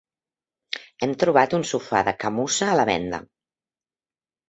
Hem trobat un sofà de camussa a la venda.